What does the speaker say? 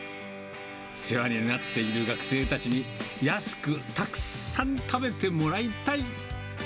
世話になっている学生たちに、安くたくさん食べてもらいたい。